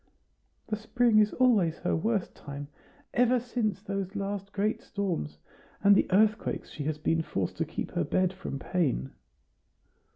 "The spring is always her worst time. Ever since those last great storms, and the earthquakes she has been forced to keep her bed from pain."